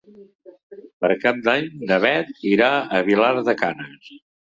Per Cap d'Any na Beth irà a Vilar de Canes.